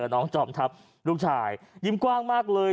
น้องจอมทัพลูกชายยิ้มกว้างมากเลย